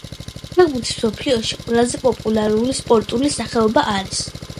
ფეხბურთი მსოფლიოში ყველაზე პოპულარული სპორტული სახეობა არის